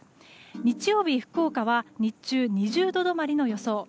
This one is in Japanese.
日曜日、福岡は日中、２０度止まりの予想。